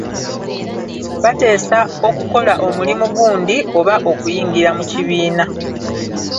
Bateesa okukola omulimu gundi, oba okuyingira mu kibiina.